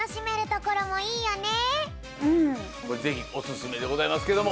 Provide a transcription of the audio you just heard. これぜひオススメでございますけども。